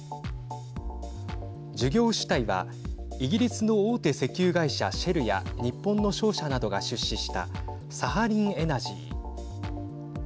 事業主体はイギリスの大手石油会社シェルや日本の商社などが出資したサハリンエナジー。